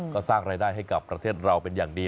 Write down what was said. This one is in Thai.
ก็สร้างรายได้ให้กับประเทศเราเป็นอย่างดี